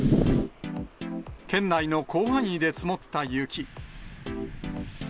県内の広範囲で積もった雪。